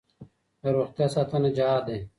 د روغتیا ساتنه جهاد دی.